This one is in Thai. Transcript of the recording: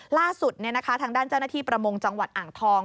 ล่าสุดทางด้านเจ้าหน้าที่ประมงจังหวัดอ่างทอง